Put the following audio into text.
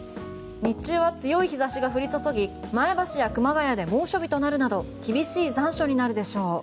日中は強い日差しが降り注ぎ前橋や熊谷で猛暑日となるなど厳しい残暑となるでしょう。